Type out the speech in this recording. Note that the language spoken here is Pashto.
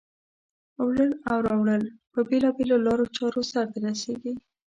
وړل او راوړل په بېلا بېلو لارو چارو سرته رسیږي.